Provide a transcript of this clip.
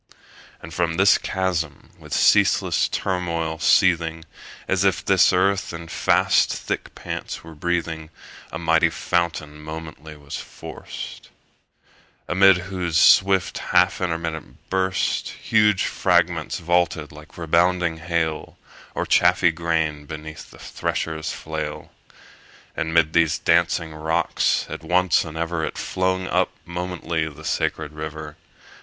And from this chasm, with ceaseless turmoil seething, As if this earth in fast thick pants were breathing, A mighty fountain momently was forced; Amid whose swift half intermitted burst 20 Huge fragments vaulted like rebounding hail, Or chaffy grain beneath the thresher's flail: And 'mid these dancing rocks at once and ever It flung up momently the sacred river.